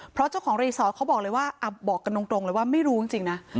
เพราะเจ้าของรีสอร์ทเขาบอกเลยว่าบอกกันตรงเลยว่าไม่รู้จริงนะ